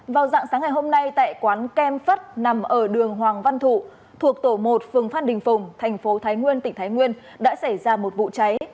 vào dạng sáng ngày hôm nay tại quán kem phất nằm ở đường hoàng văn thụ thuộc tổ một phường phan đình phùng thành phố thái nguyên tỉnh thái nguyên đã xảy ra một vụ cháy